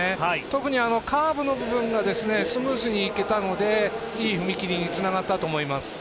特にカーブの部分がスムーズにいけたのでいい踏み切りにつながったと思います。